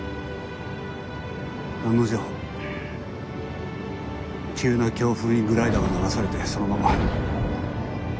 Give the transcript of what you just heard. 案の定急な強風にグライダーは流されてそのまま。